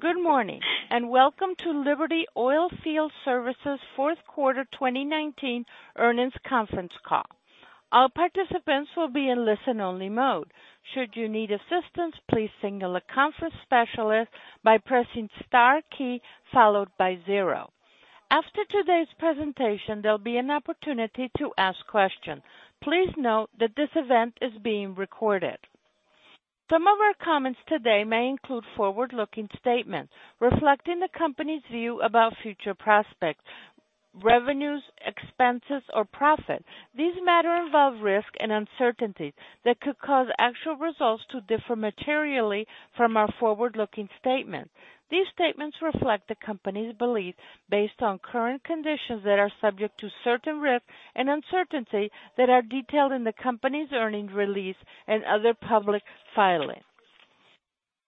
Good morning, and welcome to Liberty Oilfield Services' fourth quarter 2019 earnings conference call. All participants will be in listen-only mode. Should you need assistance, please signal a conference specialist by pressing * key followed by zero. After today's presentation, there'll be an opportunity to ask questions. Please note that this event is being recorded. Some of our comments today may include forward-looking statements reflecting the company's view about future prospects, revenues, expenses, or profit. These matters involve risk and uncertainty that could cause actual results to differ materially from our forward-looking statements. These statements reflect the company's beliefs based on current conditions that are subject to certain risks and uncertainties that are detailed in the company's earnings release and other public filings.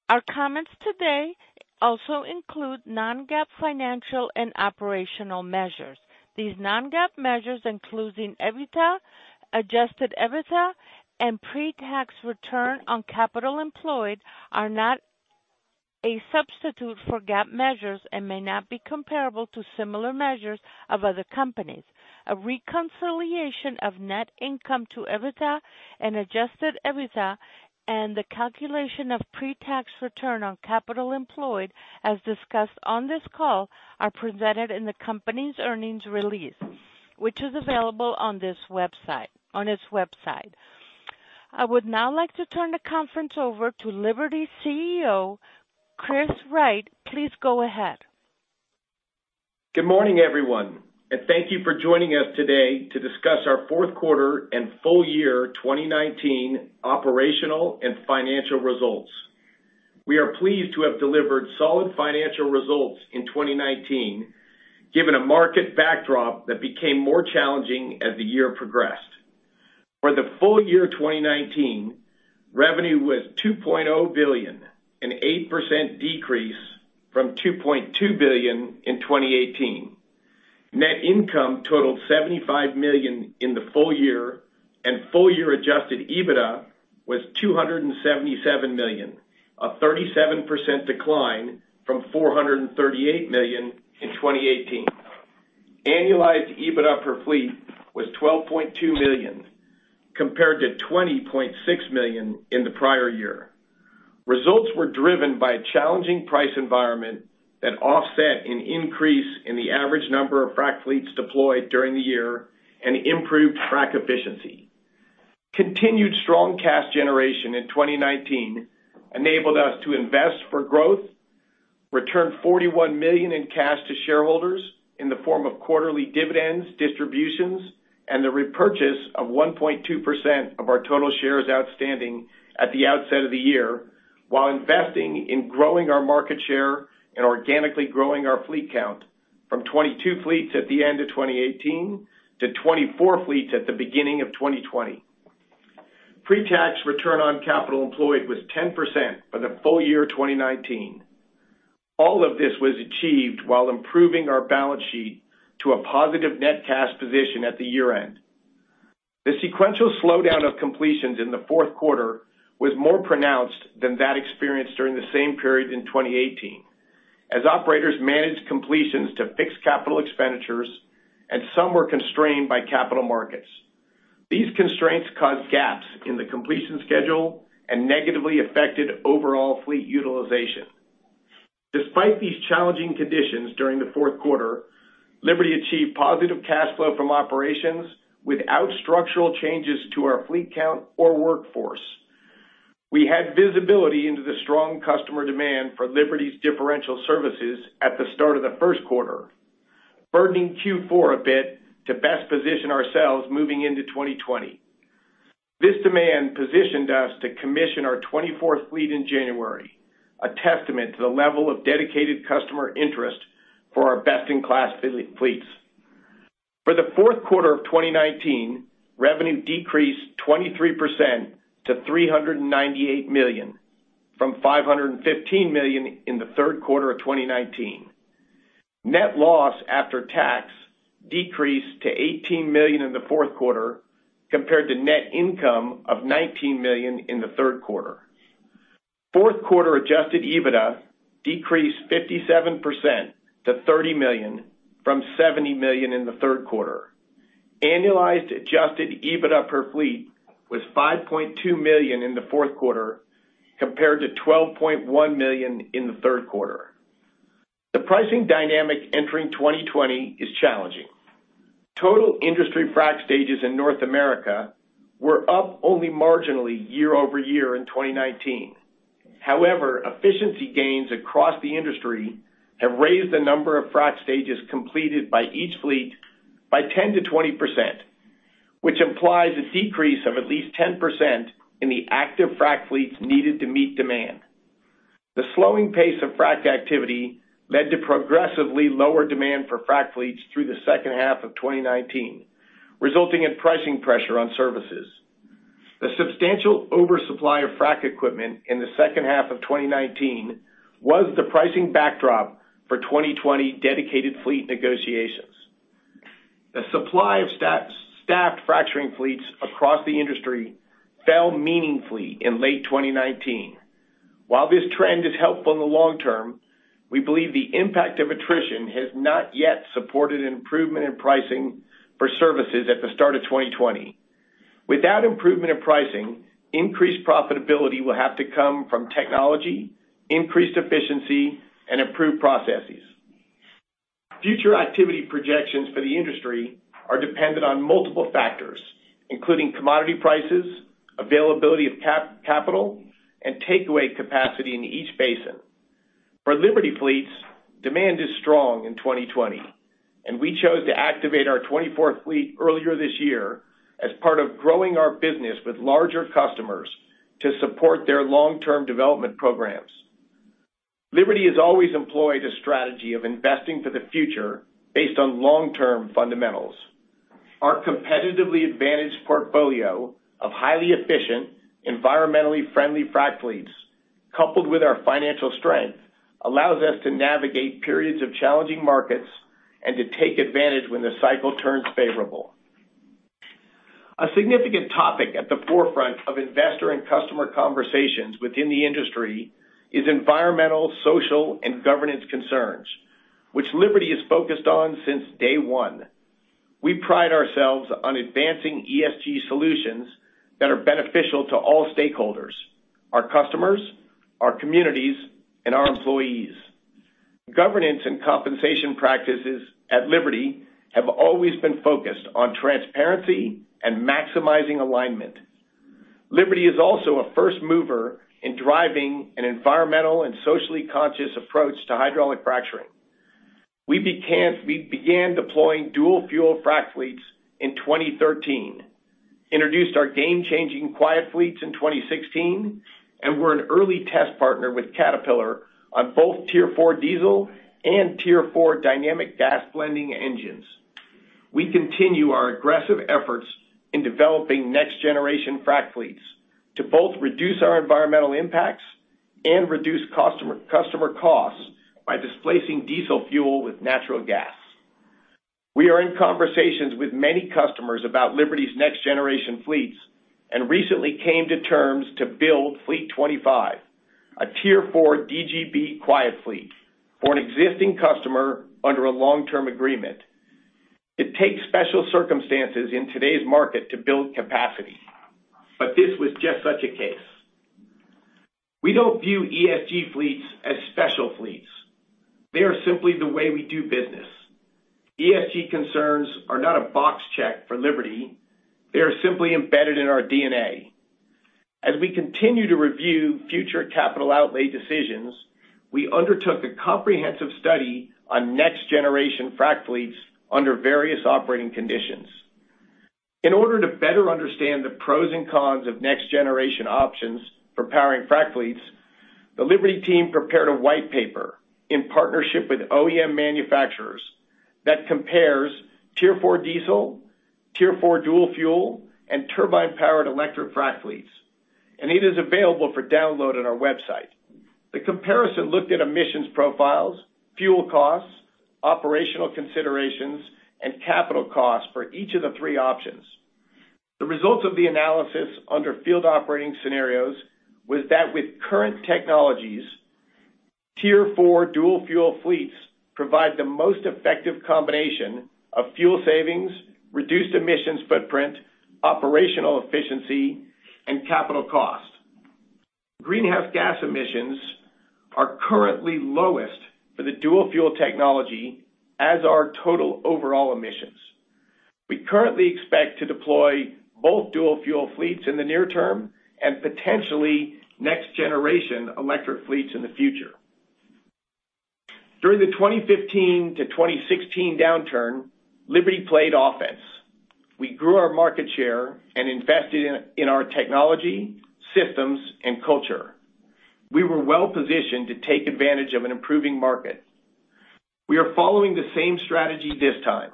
Our comments today also include non-GAAP financial and operational measures. These non-GAAP measures, including EBITDA, adjusted EBITDA, and pre-tax return on capital employed, are not a substitute for GAAP measures and may not be comparable to similar measures of other companies. A reconciliation of net income to EBITDA and adjusted EBITDA, and the calculation of pre-tax return on capital employed, as discussed on this call, are presented in the company's earnings release, which is available on its website. I would now like to turn the conference over to Liberty CEO, Chris Wright. Please go ahead. Good morning, everyone, and thank you for joining us today to discuss our fourth quarter and full year 2019 operational and financial results. We are pleased to have delivered solid financial results in 2019, given a market backdrop that became more challenging as the year progressed. For the full year 2019, revenue was $2.0 billion, an 8% decrease from $2.2 billion in 2018. Net income totaled $75 million in the full year, and full year adjusted EBITDA was $277 million, a 37% decline from $438 million in 2018. Annualized EBITDA per fleet was $12.2 million, compared to $20.6 million in the prior year. Results were driven by a challenging price environment that offset an increase in the average number of frac fleets deployed during the year and improved frac efficiency. Continued strong cash generation in 2019 enabled us to invest for growth, return $41 million in cash to shareholders in the form of quarterly dividends, distributions, and the repurchase of 1.2% of our total shares outstanding at the outset of the year, while investing in growing our market share and organically growing our fleet count from 22 fleets at the end of 2018 to 24 fleets at the beginning of 2020. Pre-tax return on capital employed was 10% for the full year 2019. All of this was achieved while improving our balance sheet to a positive net cash position at the year-end. The sequential slowdown of completions in the fourth quarter was more pronounced than that experienced during the same period in 2018, as operators managed completions to fix capital expenditures and some were constrained by capital markets. These constraints caused gaps in the completion schedule and negatively affected overall fleet utilization. Despite these challenging conditions during the fourth quarter, Liberty achieved positive cash flow from operations without structural changes to our fleet count or workforce. We had visibility into the strong customer demand for Liberty's differential services at the start of the first quarter, burdening Q4 a bit to best position ourselves moving into 2020. This demand positioned us to commission our 24th fleet in January, a testament to the level of dedicated customer interest for our best-in-class fleets. For the fourth quarter of 2019, revenue decreased 23% to $398 million from $515 million in the third quarter of 2019. Net loss after tax decreased to $18 million in the fourth quarter, compared to net income of $19 million in the third quarter. Fourth quarter adjusted EBITDA decreased 57% to $30 million from $70 million in the third quarter. Annualized adjusted EBITDA per fleet was $5.2 million in the fourth quarter compared to $12.1 million in the third quarter. The pricing dynamic entering 2020 is challenging. Total industry frac stages in North America were up only marginally year-over-year in 2019. Efficiency gains across the industry have raised the number of frac stages completed by each fleet by 10%-20%, which implies a decrease of at least 10% in the active frac fleets needed to meet demand. The slowing pace of frac activity led to progressively lower demand for frac fleets through the second half of 2019, resulting in pricing pressure on services. The substantial oversupply of frac equipment in the second half of 2019 was the pricing backdrop for 2020 dedicated fleet negotiations. The supply of staffed fracturing fleets across the industry fell meaningfully in late 2019. While this trend is helpful in the long term, we believe the impact of attrition has not yet supported an improvement in pricing for services at the start of 2020. Without improvement in pricing, increased profitability will have to come from technology, increased efficiency, and improved processes. Future activity projections for the industry are dependent on multiple factors, including commodity prices, availability of capital, and takeaway capacity in each basin. For Liberty fleets, demand is strong in 2020, and we chose to activate our 24th fleet earlier this year as part of growing our business with larger customers to support their long-term development programs. Liberty Energy has always employed a strategy of investing for the future based on long-term fundamentals. Our competitively advantaged portfolio of highly efficient, environmentally friendly frac fleets, coupled with our financial strength, allows us to navigate periods of challenging markets and to take advantage when the cycle turns favorable. A significant topic at the forefront of investor and customer conversations within the industry is environmental, social, and governance concerns, which Liberty Energy has focused on since day one. We pride ourselves on advancing ESG solutions that are beneficial to all stakeholders, our customers, our communities, and our employees. Governance and compensation practices at Liberty Energy have always been focused on transparency and maximizing alignment. Liberty Energy is also a first mover in driving an environmental and socially conscious approach to hydraulic fracturing. We began deploying dual-fuel frac fleets in 2013, introduced our game-changing Quiet Fleets in 2016, and were an early test partner with Caterpillar on both Tier 4 diesel and Tier 4 Dynamic Gas Blending engines. We continue our aggressive efforts in developing next generation frac fleets to both reduce our environmental impacts and reduce customer costs by displacing diesel fuel with natural gas. We are in conversations with many customers about Liberty's next generation fleets and recently came to terms to build Fleet 25, a Tier 4 DGB Quiet Fleet for an existing customer under a long-term agreement. It takes special circumstances in today's market to build capacity, this was just such a case. We don't view ESG fleets as special fleets. They are simply the way we do business. ESG concerns are not a box check for Liberty. They are simply embedded in our DNA. As we continue to review future capital outlay decisions, we undertook a comprehensive study on next generation frac fleets under various operating conditions. In order to better understand the pros and cons of next generation options for powering frac fleets, the Liberty team prepared a white paper in partnership with OEM manufacturers that compares Tier 4 diesel, Tier 4 dual fuel, and turbine-powered electric frac fleets, and it is available for download on our website. The comparison looked at emissions profiles, fuel costs, operational considerations, and capital costs for each of the three options. The results of the analysis under field operating scenarios was that with current technologies, Tier 4 dual-fuel fleets provide the most effective combination of fuel savings, reduced emissions footprint, operational efficiency, and capital cost. Greenhouse gas emissions are currently lowest for the dual-fuel technology, as are total overall emissions. We currently expect to deploy both dual-fuel fleets in the near term and potentially next generation electric fleets in the future. During the 2015-2016 downturn, Liberty played offense. We grew our market share and invested in our technology, systems, and culture. We were well-positioned to take advantage of an improving market. We are following the same strategy this time.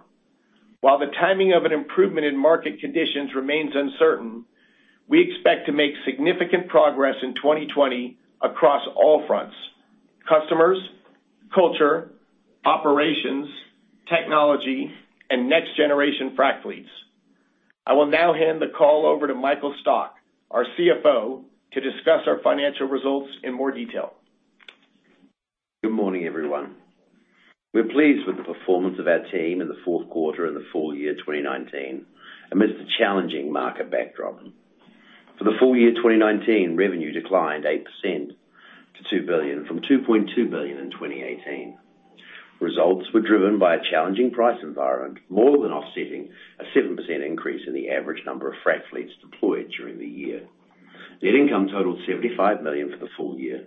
While the timing of an improvement in market conditions remains uncertain, we expect to make significant progress in 2020 across all fronts, customers, culture, operations, technology, and next generation frac fleets. I will now hand the call over to Michael Stock, our CFO, to discuss our financial results in more detail. Good morning, everyone. We're pleased with the performance of our team in the fourth quarter and the full year 2019 amidst a challenging market backdrop. For the full year 2019, revenue declined 8% to $2 billion from $2.2 billion in 2018. Results were driven by a challenging price environment, more than offsetting a 7% increase in the average number of frac fleets deployed during the year. Net income totaled $75 million for the full year.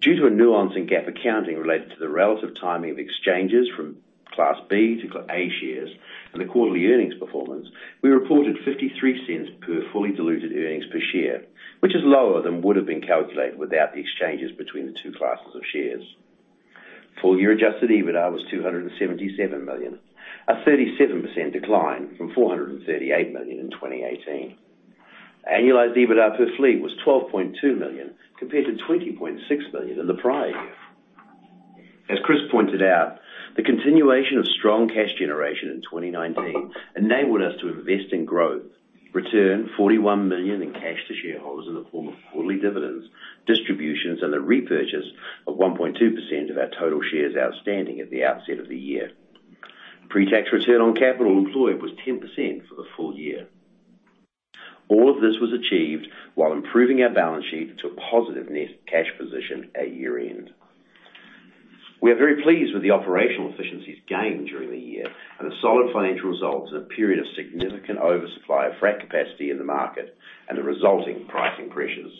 Due to a nuance in GAAP accounting related to the relative timing of exchanges from Class B to A shares and the quarterly earnings performance, we reported $0.53 per fully diluted earnings per share, which is lower than would have been calculated without the exchanges between the two classes of shares. Full year adjusted EBITDA was $277 million, a 37% decline from $438 million in 2018. Annualized EBITDA per fleet was $12.2 million, compared to $20.6 million in the prior year. As Chris pointed out, the continuation of strong cash generation in 2019 enabled us to invest in growth, return $41 million in cash to shareholders in the form of quarterly dividends, distributions, and the repurchase of 1.2% of our total shares outstanding at the outset of the year. Pre-tax return on capital employed was 10% for the full year. All of this was achieved while improving our balance sheet to a positive net cash position at year-end. We are very pleased with the operational efficiencies gained during the year and the solid financial results in a period of significant oversupply of frac capacity in the market and the resulting pricing pressures.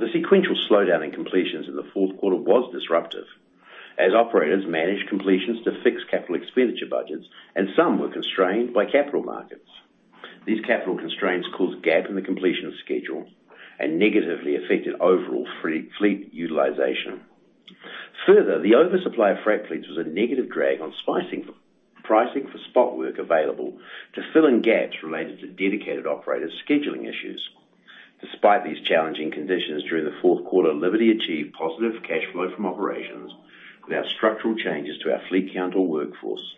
The sequential slowdown in completions in the fourth quarter was disruptive as operators managed completions to fix capital expenditure budgets, and some were constrained by capital markets. These capital constraints caused a gap in the completion schedule and negatively affected overall fleet utilization. Further, the oversupply of frac fleets was a negative drag on pricing for spot work available to fill in gaps related to dedicated operators' scheduling issues. Despite these challenging conditions during the fourth quarter, Liberty achieved positive cash flow from operations without structural changes to our fleet count or workforce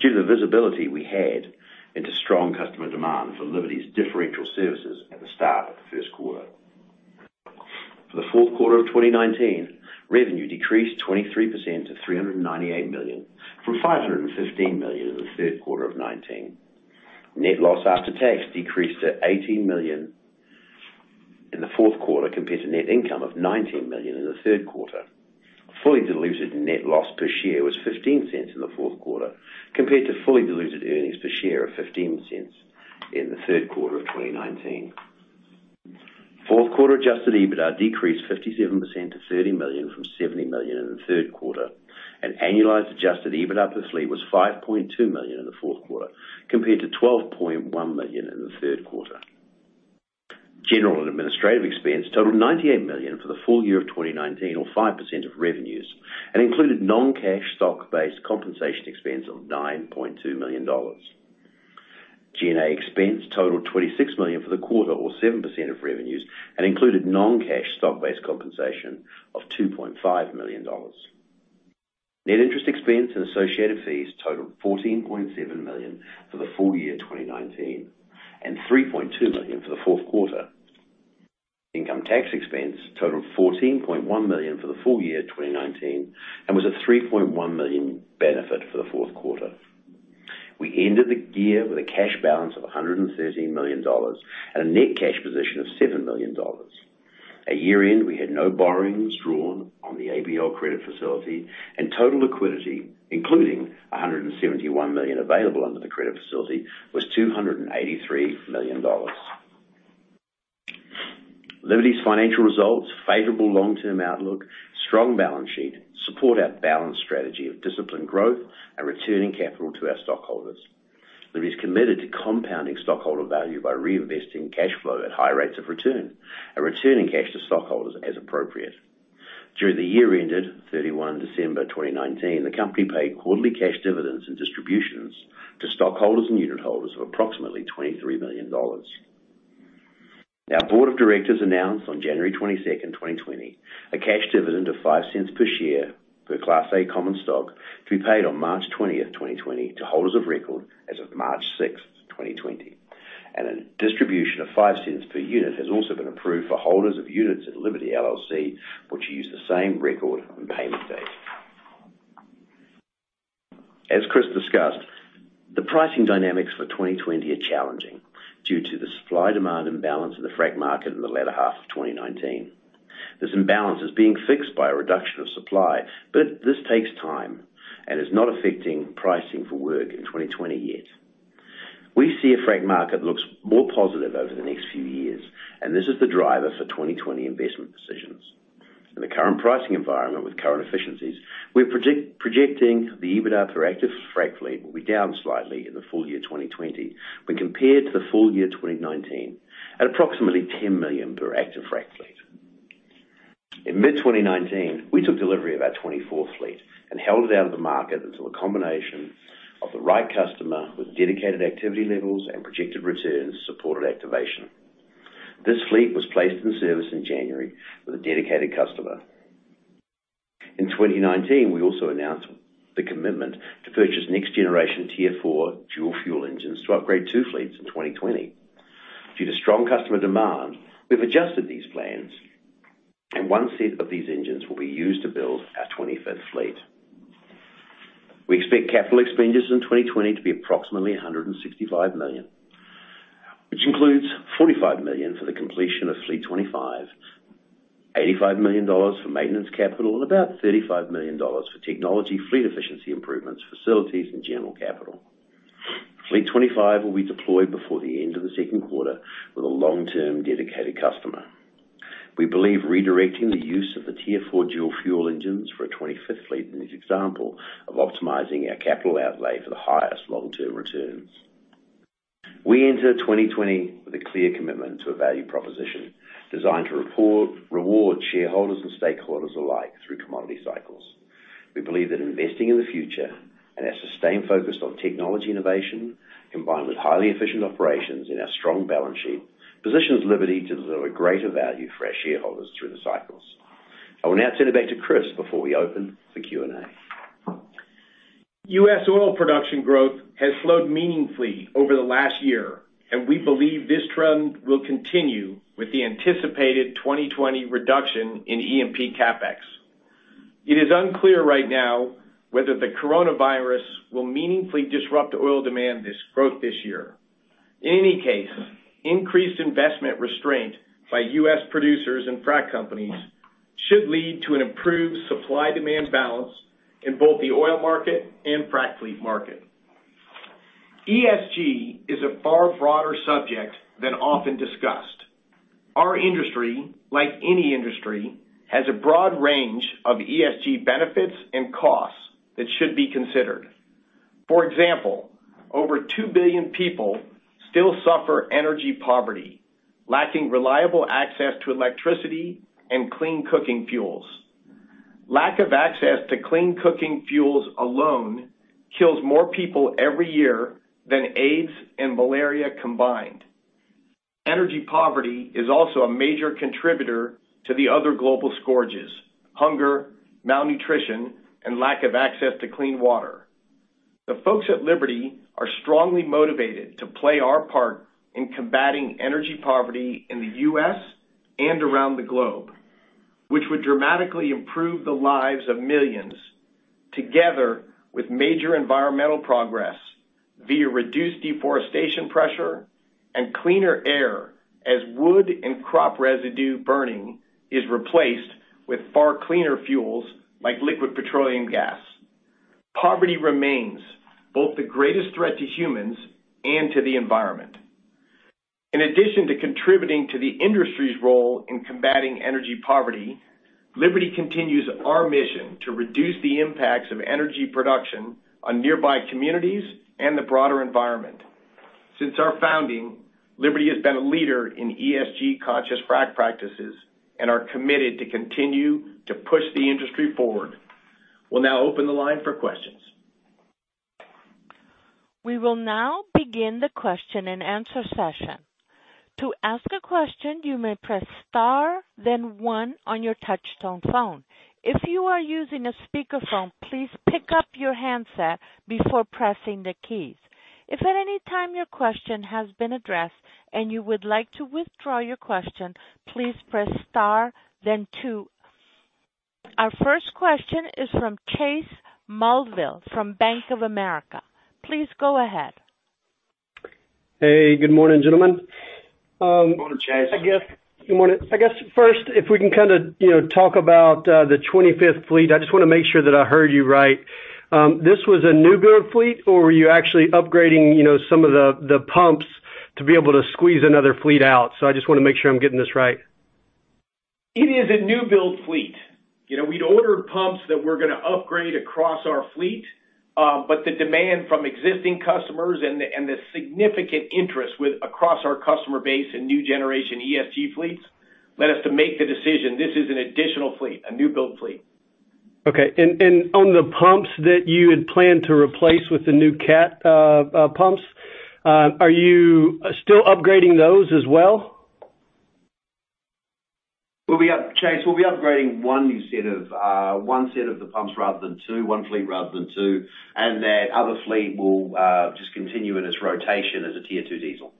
due to the visibility we had into strong customer demand for Liberty's differential services at the start of the first quarter. For the fourth quarter of 2019, revenue decreased 23% to $398 million from $515 million in the third quarter of 2019. Net loss after tax decreased to $18 million in the fourth quarter compared to net income of $19 million in the third quarter. Fully diluted net loss per share was $0.15 in the fourth quarter compared to fully diluted earnings per share of $0.15 in the third quarter of 2019. Fourth quarter adjusted EBITDA decreased 57% to $30 million from $70 million in the third quarter. Annualized adjusted EBITDA per fleet was $5.2 million in the fourth quarter compared to $12.1 million in the third quarter. General and administrative expense totaled $98 million for the full year of 2019 or 5% of revenues and included non-cash stock-based compensation expense of $9.2 million. G&A expense totaled $26 million for the quarter or 7% of revenues and included non-cash stock-based compensation of $2.5 million. Net interest expense and associated fees totaled $14.7 million for the full year 2019 and $3.2 million for the fourth quarter. Income tax expense totaled $14.1 million for the full year 2019 and was a $3.1 million benefit for the fourth quarter. We ended the year with a cash balance of $113 million and a net cash position of $7 million. At year-end, we had no borrowings drawn on the ABL credit facility and total liquidity, including $171 million available under the credit facility, was $283 million. Liberty's financial results, favorable long-term outlook, strong balance sheet support our balanced strategy of disciplined growth and returning capital to our stockholders. Liberty's committed to compounding stockholder value by reinvesting cash flow at high rates of return and returning cash to stockholders as appropriate. During the year ended 31 December 2019, the company paid quarterly cash dividends and distributions to stockholders and unitholders of approximately $23 million. Our board of directors announced on January 22nd, 2020, a cash dividend of $0.05 per share per Class A common stock to be paid on March 20th, 2020 to holders of record as of March 6th, 2020. A distribution of $0.05 per unit has also been approved for holders of units at Liberty LLC, which use the same record and payment date. As Chris Wright discussed, the pricing dynamics for 2020 are challenging due to the supply-demand imbalance in the frac market in the latter half of 2019. This imbalance is being fixed by a reduction of supply but this takes time and is not affecting pricing for work in 2020 yet. We see a frac market looks more positive over the next few years, and this is the driver for 2020 investment decisions. In the current pricing environment with current efficiencies, we're projecting the EBITDA per active frac fleet will be down slightly in the full year 2020 when compared to the full year 2019 at approximately $10 million per active frac fleet. In mid-2019, we took delivery of our 24th fleet and held it out of the market until the combination of the right customer with dedicated activity levels and projected returns supported activation. This fleet was placed in service in January with a dedicated customer. In 2019, we also announced the commitment to purchase next-generation Tier 4 dual-fuel engines to upgrade two fleets in 2020. Due to strong customer demand, we've adjusted these plans and one set of these engines will be used to build our 25th fleet. We expect capital expenditures in 2020 to be approximately $165 million, which includes $45 million for the completion of fleet 25, $85 million for maintenance capital, and about $35 million for technology, fleet efficiency improvements, facilities, and general capital. Fleet 25 will be deployed before the end of the second quarter with a long-term dedicated customer. We believe redirecting the use of the Tier 4 dual-fuel engines for a 25th fleet is an example of optimizing our capital outlay for the highest long-term returns. We enter 2020 with a clear commitment to a value proposition designed to reward shareholders and stakeholders alike through commodity cycles. We believe that investing in the future and our sustained focus on technology innovation, combined with highly efficient operations and our strong balance sheet, positions Liberty to deliver greater value for our shareholders through the cycles. I will now send it back to Chris before we open for Q&A. U.S. oil production growth has slowed meaningfully over the last year, and we believe this trend will continue with the anticipated 2020 reduction in E&P CapEx. It is unclear right now whether the coronavirus will meaningfully disrupt oil demand growth this year. In any case, increased investment restraint by U.S. producers and frac companies should lead to an improved supply-demand balance in both the oil market and frac fleet market. ESG is a far broader subject than often discussed. Our industry, like any industry, has a broad range of ESG benefits and costs that should be considered. For example, over two billion people still suffer energy poverty, lacking reliable access to electricity and clean cooking fuels. Lack of access to clean cooking fuels alone kills more people every year than AIDS and malaria combined. Energy poverty is also a major contributor to the other global scourges: hunger, malnutrition, and lack of access to clean water. The folks at Liberty are strongly motivated to play our part in combating energy poverty in the U.S. and around the globe, which would dramatically improve the lives of millions, together with major environmental progress via reduced deforestation pressure and cleaner air, as wood and crop residue burning is replaced with far cleaner fuels like liquid petroleum gas. Poverty remains both the greatest threat to humans and to the environment. In addition to contributing to the industry's role in combating energy poverty, Liberty continues our mission to reduce the impacts of energy production on nearby communities and the broader environment. Since our founding, Liberty has been a leader in ESG-conscious frac practices and are committed to continue to push the industry forward. We'll now open the line for questions. We will now begin the question-and-answer session. To ask a question, you may press star then one on your touchtone phone. If you are using a speakerphone, please pick up your handset before pressing the keys. If at any time your question has been addressed and you would like to withdraw your question, please press star then two. Our first question is from Chase Mulvehill from Bank of America. Please go ahead. Hey, good morning, gentlemen. Morning, Chase. Good morning. I guess first, if we can talk about the 25th fleet. I just want to make sure that I heard you right. This was a new-build fleet, or were you actually upgrading some of the pumps to be able to squeeze another fleet out? I just want to make sure I'm getting this right. It is a new-build fleet. We'd ordered pumps that we're going to upgrade across our fleet. The demand from existing customers and the significant interest across our customer base in new generation ESG fleets led us to make the decision. This is an additional fleet, a new-build fleet. Okay. On the pumps that you had planned to replace with the new Cat pumps, are you still upgrading those as well? Chase, we'll be upgrading one set of the pumps rather than two, one fleet rather than two, and that other fleet will just continue in its rotation as a Tier 2 diesel.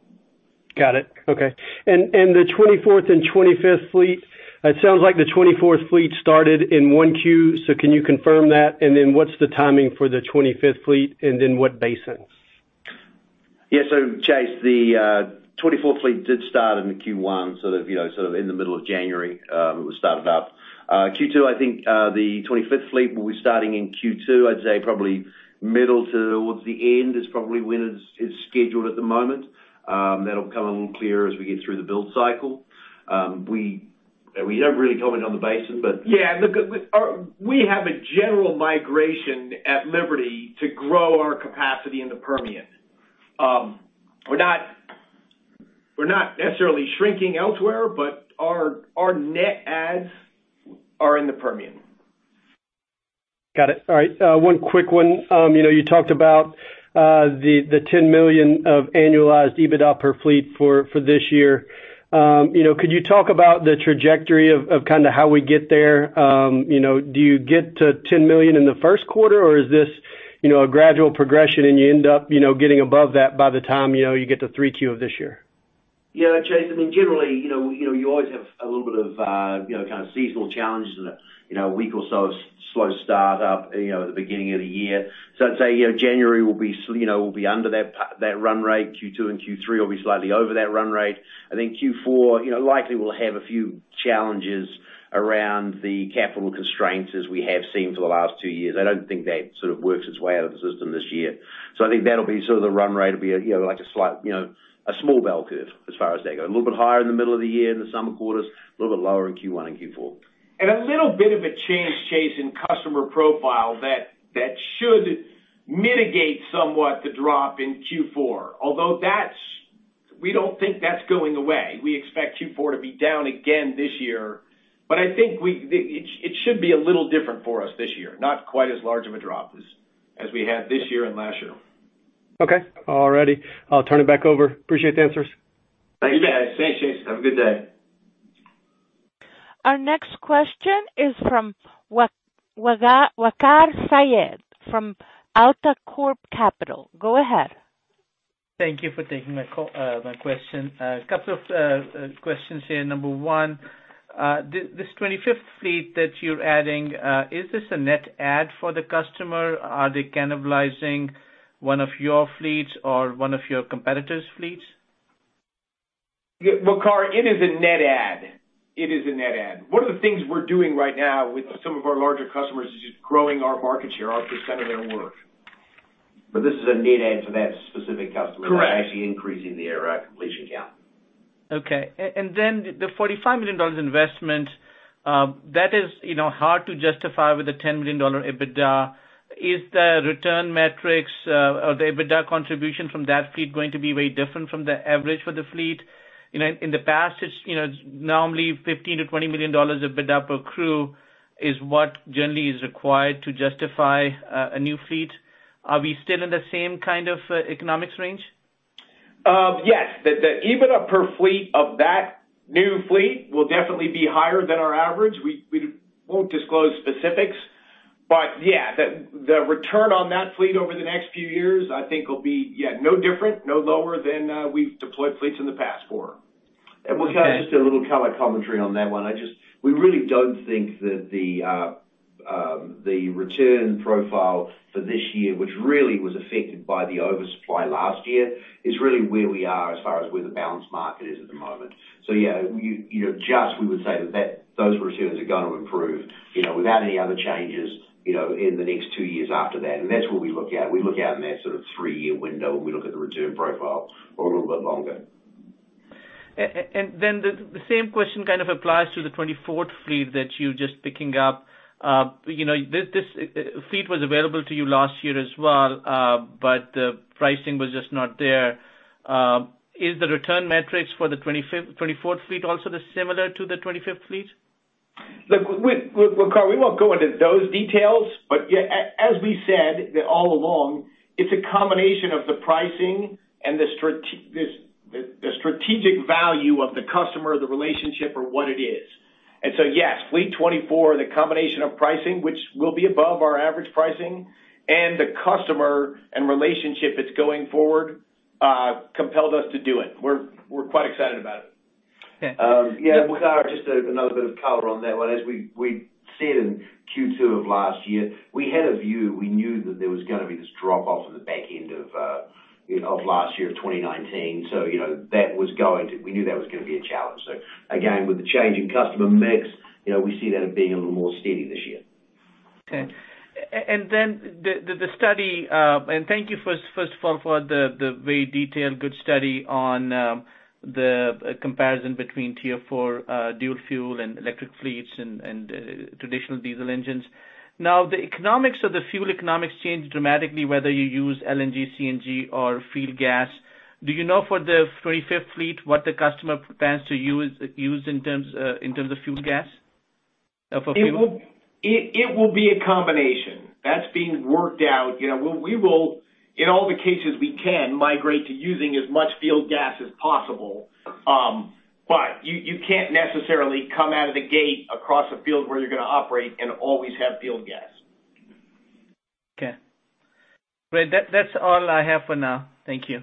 Got it. Okay. The 24th and 25th fleet, it sounds like the 24th fleet started in 1Q. Can you confirm that? What's the timing for the 25th fleet, and in what basins? Yeah. Chase, the 24th fleet did start in the Q1, so sort of in the middle of January, it was started up. Q2, I think, the 25th fleet will be starting in Q2, I'd say probably middle to towards the end is probably when it's scheduled at the moment. That'll become a little clearer as we get through the build cycle. We don't really comment on the basin. Yeah, look, we have a general migration at Liberty to grow our capacity in the Permian. We're not necessarily shrinking elsewhere, but our net adds are in the Permian. Got it. All right, one quick one. You talked about the $10 million of annualized EBITDA per fleet for this year. Could you talk about the trajectory of how we get there? Do you get to $10 million in the first quarter, or is this a gradual progression and you end up getting above that by the time you get to 3Q of this year? Yeah, Chase, I mean, generally, you always have a little bit of kind of seasonal challenges and a week or so slow start up at the beginning of the year. I'd say, January will be under that run rate. Q2 and Q3 will be slightly over that run rate. I think Q4 likely will have a few challenges around the capital constraints as we have seen for the last two years. I don't think that sort of works its way out of the system this year. I think that'll be sort of the run rate. It'll be a small bell curve as far as that goes. A little bit higher in the middle of the year, in the summer quarters, a little bit lower in Q1 and Q4. A little bit of a change, Chase, in customer profile that should mitigate somewhat the drop in Q4. We don't think that's going away. We expect Q4 to be down again this year. I think it should be a little different for us this year, not quite as large of a drop as we had this year and last year. Okay. All righty. I'll turn it back over. Appreciate the answers. Thank you, guys. Thanks, Chase. Have a good day. Our next question is from Waqar Syed from AltaCorp Capital. Go ahead. Thank you for taking my question. A couple of questions here. Number one, this 25th fleet that you're adding, is this a net add for the customer? Are they cannibalizing one of your fleets or one of your competitors' fleets? Waqar, it is a net add. One of the things we're doing right now with some of our larger customers is just growing our market share off the center of their work. This is a net add for that specific customer. Correct. We're actually increasing their completion count. Okay. The $45 million investment, that is hard to justify with a $10 million EBITDA. Is the return metrics or the EBITDA contribution from that fleet going to be very different from the average for the fleet? In the past, it's normally $15 million-$20 million of EBITDA per crew is what generally is required to justify a new fleet. Are we still in the same kind of economics range? Yes. The EBITDA per fleet of that new fleet will definitely be higher than our average. We won't disclose specifics, but yeah, the return on that fleet over the next few years, I think will be no different, no lower than we've deployed fleets in the past for. Okay. Waqar, just a little color commentary on that one. We really don't think that the return profile for this year, which really was affected by the oversupply last year, is really where we are as far as where the balance market is at the moment. Yeah, just we would say that those returns are going to improve without any other changes in the next two years after that. That's what we look at. We look out in that sort of three-year window when we look at the return profile, or a little bit longer. The same question kind of applies to the 24th fleet that you're just picking up. This fleet was available to you last year as well, the pricing was just not there. Is the return metrics for the 24th fleet also similar to the 25th fleet? Look, Waqar, we won't go into those details, but as we said all along, it's a combination of the pricing and the strategic value of the customer, the relationship, or what it is. Yes, Fleet 24, the combination of pricing, which will be above our average pricing, and the customer and relationship it's going forward compelled us to do it. We're quite excited about it. Okay. Yeah. Waqar, just another bit of color on that one. As we said in Q2 of last year, we had a view. We knew that there was going to be this drop-off in the back end of last year, of 2019. We knew that was going to be a challenge. Again, with the change in customer mix, we see that as being a little more steady this year. Okay. Thank you, first of all, for the very detailed, good study on the comparison between Tier 4 dual fuel and electric fleets and traditional diesel engines. The economics or the fuel economics change dramatically whether you use LNG, CNG, or field gas. Do you know for the 25th fleet what the customer plans to use in terms of field gas for fuel? It will be a combination. That's being worked out. We will, in all the cases we can, migrate to using as much field gas as possible. You can't necessarily come out of the gate across a field where you're going to operate and always have field gas. Okay. Great. That's all I have for now. Thank you.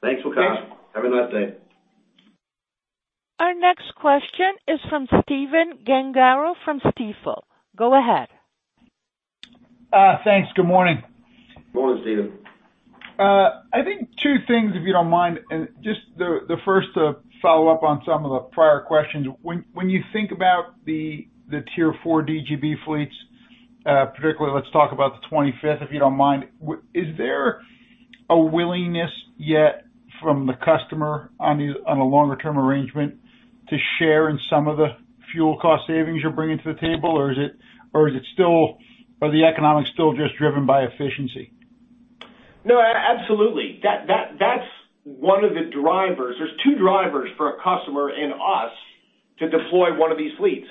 Thanks, Waqar. Thanks. Have a nice day. Our next question is from Stephen Gengaro from Stifel. Go ahead. Thanks. Good morning. Morning, Stephen. I think two things, if you don't mind, and just the first to follow up on some of the prior questions. When you think about the Tier 4 DGB fleets, particularly let's talk about the 25th, if you don't mind. Is there a willingness yet from the customer on a longer-term arrangement to share in some of the fuel cost savings you're bringing to the table, or are the economics still just driven by efficiency? No, absolutely. That's one of the drivers. There are two drivers for a customer and us to deploy one of these fleets.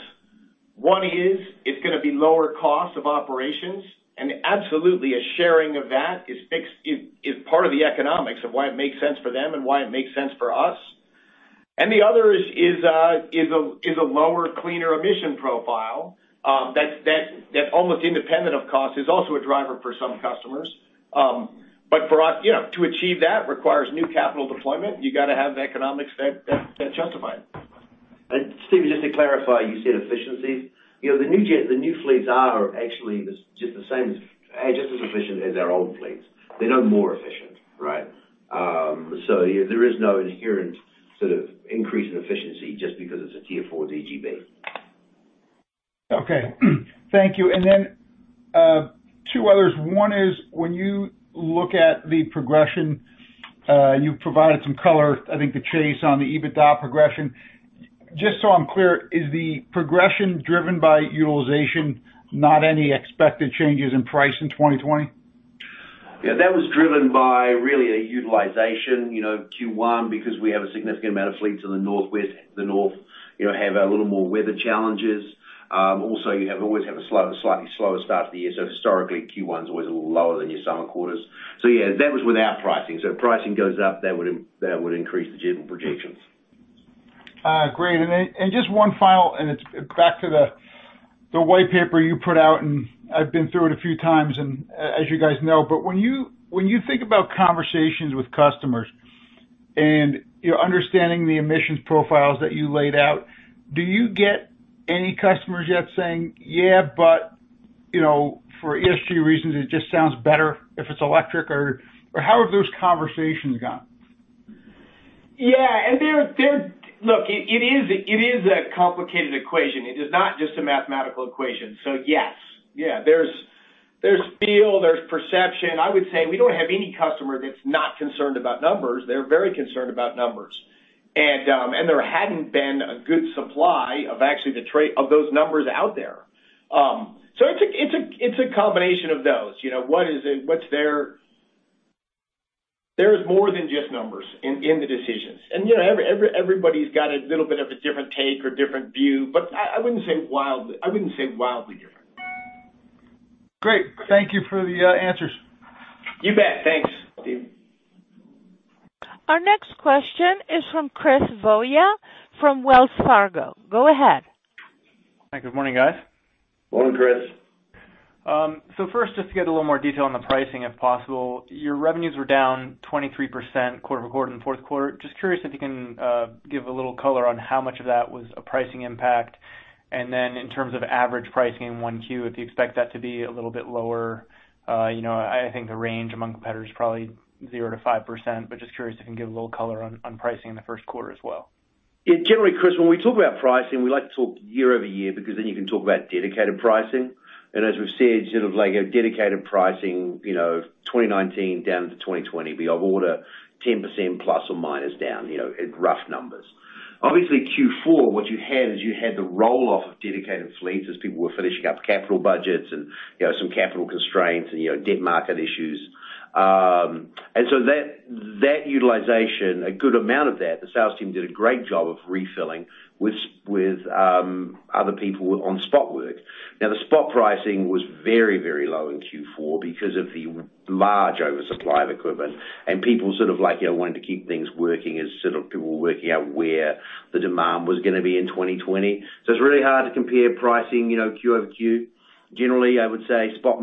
One is it's going to be lower cost of operations, and absolutely a sharing of that is part of the economics of why it makes sense for them and why it makes sense for us. The other is a lower, cleaner emission profile that almost independent of cost is also a driver for some customers. For us to achieve that requires new capital deployment. You got to have the economics that justify it. Stephen, just to clarify, you said efficiencies. The new fleets are actually just as efficient as our old fleets. They're no more efficient, right? There is no inherent sort of increase in efficiency just because it's a Tier 4 DGB. Okay. Thank you. Two others. One is when you look at the progression, you provided some color, I think to Chase, on the EBITDA progression. Just so I'm clear, is the progression driven by utilization, not any expected changes in price in 2020? That was driven by really a utilization, Q1, because we have a significant amount of fleets in the Northwest. The North have a little more weather challenges. You always have a slightly slower start to the year, so historically, Q1 is always a little lower than your summer quarters. That was without pricing. Pricing goes up, that would increase the general projections. Great. Just one final, and it's back to the white paper you put out, and I've been through it a few times, and as you guys know. When you think about conversations with customers and understanding the emissions profiles that you laid out, do you get any customers yet saying, "Yeah, but for ESG reasons, it just sounds better if it's electric," or how have those conversations gone? Yeah. Look, it is a complicated equation. It is not just a mathematical equation. Yes. There's feel, there's perception. I would say we don't have any customer that's not concerned about numbers. They're very concerned about numbers. There hadn't been a good supply of those numbers out there. It's a combination of those. There's more than just numbers in the decisions. Everybody's got a little bit of a different take or different view, but I wouldn't say wildly different. Great. Thank you for the answers. You bet. Thanks, Stephen. Our next question is from Chris Voie from Wells Fargo. Go ahead. Hi. Good morning, guys. Morning, Chris. First, just to get a little more detail on the pricing, if possible. Your revenues were down 23% quarter-over-quarter in the fourth quarter. Just curious if you can give a little color on how much of that was a pricing impact, and then in terms of average pricing in 1Q, if you expect that to be a little bit lower. I think the range among competitors is probably 0%-5%, but just curious if you can give a little color on pricing in the first quarter as well. Yeah. Generally, Chris, when we talk about pricing, we like to talk year-over-year because then you can talk about dedicated pricing. As we've said, dedicated pricing, 2019 down to 2020 will be of order 10% ± down in rough numbers. Obviously, Q4, what you had is you had the roll-off of dedicated fleets as people were finishing up capital budgets, and some capital constraints, and debt market issues. That utilization, a good amount of that, the sales team did a great job of refilling with other people on spot work. Now, the spot pricing was very, very low in Q4 because of the large oversupply of equipment and people wanting to keep things working as people were working out where the demand was going to be in 2020. It's really hard to compare pricing Q-over-Q. Generally, I would say spot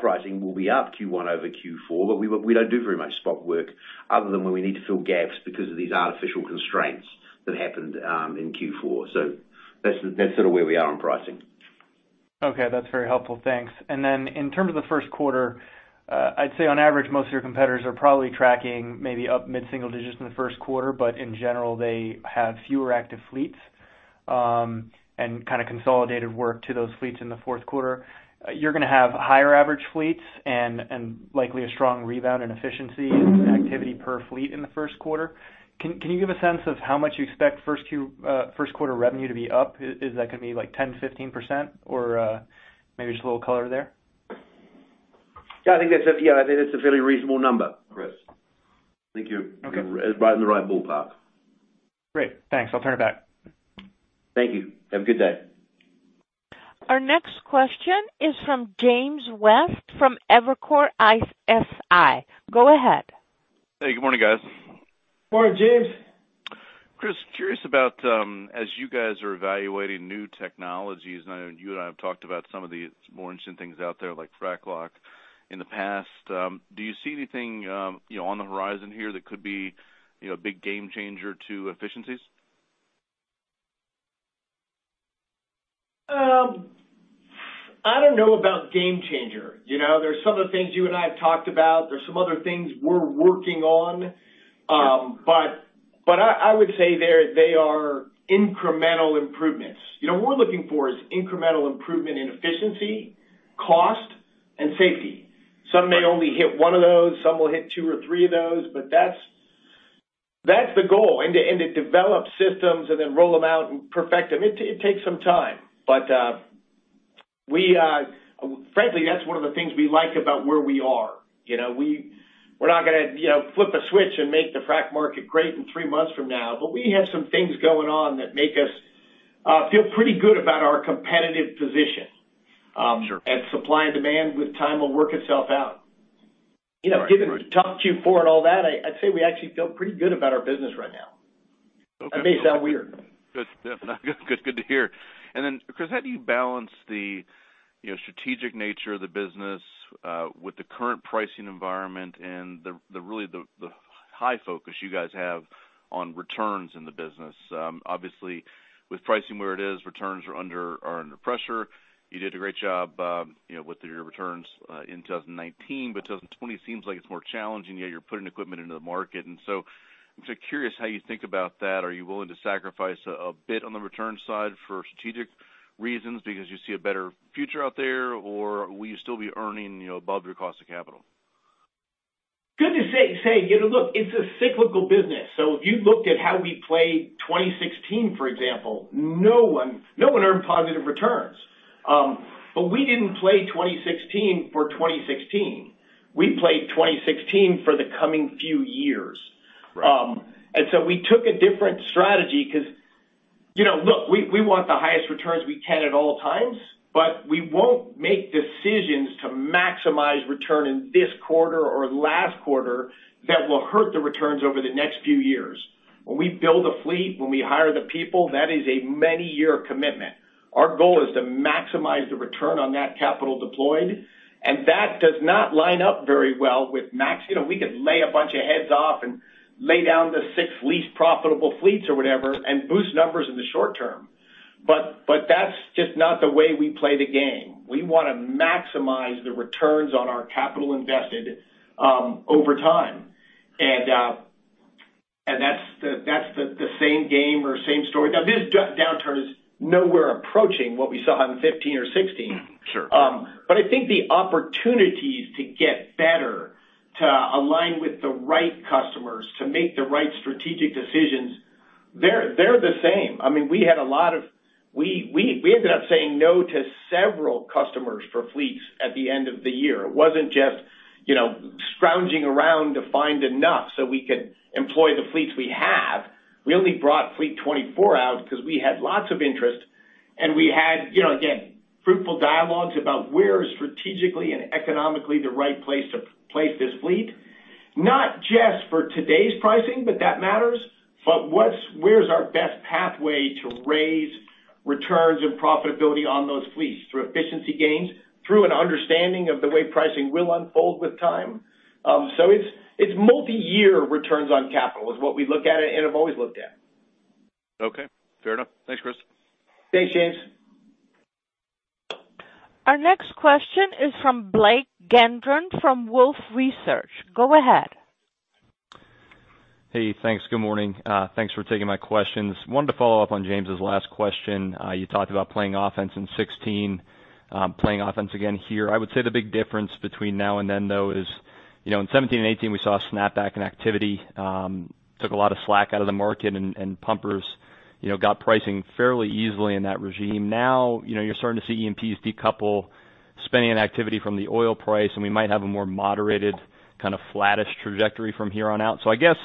pricing will be up Q1 over Q4, but we don't do very much spot work other than when we need to fill gaps because of these artificial constraints that happened in Q4. That's where we are on pricing. Okay, that's very helpful. Thanks. In terms of the first quarter, I'd say on average, most of your competitors are probably tracking maybe up mid-single digits in the first quarter. In general, they have fewer active fleets and kind of consolidated work to those fleets in the fourth quarter. You're going to have higher average fleets and likely a strong rebound in efficiency and activity per fleet in the first quarter. Can you give a sense of how much you expect first quarter revenue to be up? Is that going to be 10%-15% or maybe just a little color there? Yeah, I think that's a fairly reasonable number, Chris. Okay Right in the right ballpark. Great. Thanks. I'll turn it back. Thank you. Have a good day. Our next question is from James West from Evercore ISI. Go ahead. Hey, good morning, guys. Morning, James. Chris, curious about as you guys are evaluating new technologies, I know you and I have talked about some of the more interesting things out there like FracLock in the past. Do you see anything on the horizon here that could be a big game changer to efficiencies? I don't know about game changer. There's some of the things you and I have talked about. There's some other things we're working on. I would say they are incremental improvements. What we're looking for is incremental improvement in efficiency, cost, and safety. Some may only hit one of those, some will hit two or three of those, but that's the goal. To develop systems and then roll them out and perfect them, it takes some time. Frankly, that's one of the things we like about where we are. We're not going to flip a switch and make the frac market great in three months from now, but we have some things going on that make us feel pretty good about our competitive position. Sure. Supply and demand with time will work itself out. All right. Given tough Q4 and all that, I'd say we actually feel pretty good about our business right now. Okay. That may sound weird. Good to hear. Then, Chris, how do you balance the strategic nature of the business with the current pricing environment and really the high focus you guys have on returns in the business? Obviously, with pricing where it is, returns are under pressure. You did a great job with your returns in 2019, but 2020 seems like it's more challenging, yet you're putting equipment into the market. So I'm curious how you think about that. Are you willing to sacrifice a bit on the return side for strategic reasons because you see a better future out there, or will you still be earning above your cost of capital? Good to say. Look, it's a cyclical business. If you looked at how we played 2016, for example, no one earned positive returns. We didn't play 2016 for 2016. We played 2016 for the coming few years. Right. We took a different strategy because, look, we want the highest returns we can at all times, but we won't make decisions to maximize return in this quarter or last quarter that will hurt the returns over the next few years. When we build a fleet, when we hire the people, that is a many-year commitment. Our goal is to maximize the return on that capital deployed, and that does not line up very well with max. We could lay a bunch of heads off and lay down the six least profitable fleets or whatever and boost numbers in the short term. That's just not the way we play the game. We want to maximize the returns on our capital invested over time. That's the same game or same story. This downturn is nowhere approaching what we saw in 2015 or 2016. Sure. I think the opportunities to get better, to align with the right customers, to make the right strategic decisions, they're the same. We ended up saying no to several customers for fleets at the end of the year. It wasn't just scrounging around to find enough so we could employ the fleets we have. We only brought fleet 24 out because we had lots of interest, and we had, again, fruitful dialogues about where strategically and economically the right place to place this fleet. Not just for today's pricing, but that matters. Where's our best pathway to raise returns and profitability on those fleets through efficiency gains, through an understanding of the way pricing will unfold with time? It's multi-year returns on capital, is what we look at it and have always looked at. Okay, fair enough. Thanks, Chris. Thanks, James. Our next question is from Blake Gendron from Wolfe Research. Go ahead. Hey, thanks. Good morning. Thanks for taking my questions. Wanted to follow up on James's last question. You talked about playing offense in 2016, playing offense again here. I would say the big difference between now and then, though, is in 2017 and 2018, we saw a snapback in activity, took a lot of slack out of the market, and pumpers got pricing fairly easily in that regime. Now, you're starting to see E&Ps decouple spending and activity from the oil price, and we might have a more moderated kind of flattish trajectory from here on out. I guess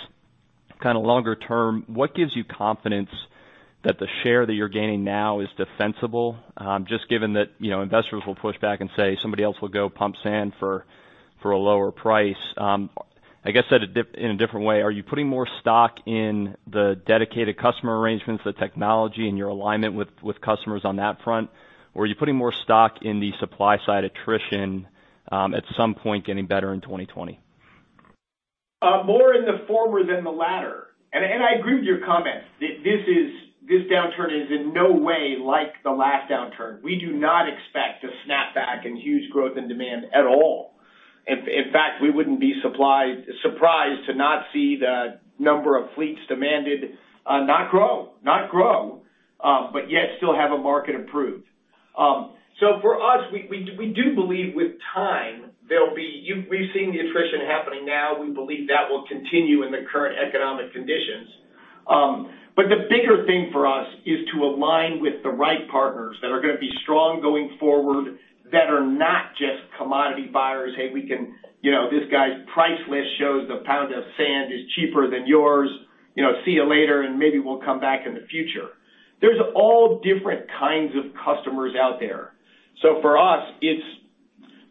kind of longer term, what gives you confidence that the share that you're gaining now is defensible? Just given that investors will push back and say somebody else will go pump sand for a lower price. I guess said in a different way, are you putting more stock in the dedicated customer arrangements, the technology, and your alignment with customers on that front? Or are you putting more stock in the supply side attrition at some point getting better in 2020? More in the former than the latter. I agree with your comment. This downturn is in no way like the last downturn. We do not expect a snapback and huge growth in demand at all. We wouldn't be surprised to not see the number of fleets demanded not grow, but yet still have a market improved. For us, we do believe with time, we've seen the attrition happening now, we believe that will continue in the current economic conditions. The bigger thing for us is to align with the right partners that are going to be strong going forward, that are not just commodity buyers. "Hey, this guy's price list shows the pound of sand is cheaper than yours. See you later, and maybe we'll come back in the future." There's all different kinds of customers out there. For us, it's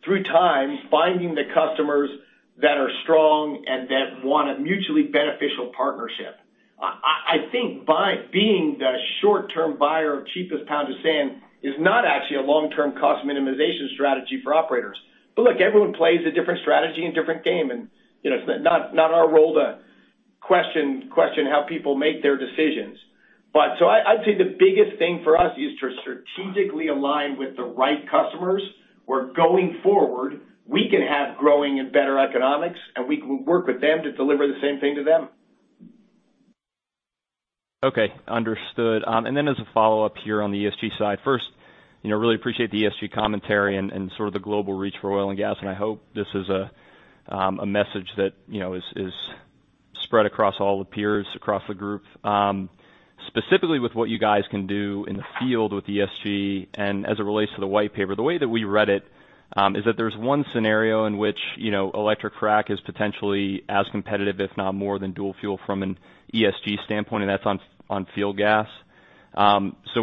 through time, finding the customers that are strong and that want a mutually beneficial partnership. I think being the short-term buyer of cheapest pound of sand is not actually a long-term cost minimization strategy for operators. Look, everyone plays a different strategy and different game, and it's not our role to question how people make their decisions. I'd say the biggest thing for us is to strategically align with the right customers, where going forward, we can have growing and better economics, and we can work with them to deliver the same thing to them. Understood. As a follow-up here on the ESG side, first, really appreciate the ESG commentary and sort of the global reach for oil and gas, and I hope this is a message that is spread across all the peers across the group. Specifically with what you guys can do in the field with ESG and as it relates to the white paper, the way that we read it is that there's one scenario in which electric frac is potentially as competitive, if not more than dual-fuel from an ESG standpoint, and that's on field gas.